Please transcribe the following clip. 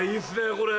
これ。